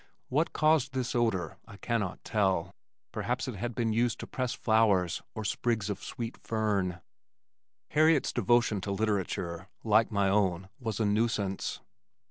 What caused this odor I cannot tell perhaps it had been used to press flowers or sprigs of sweet fern. Harriet's devotion to literature, like my own, was a nuisance.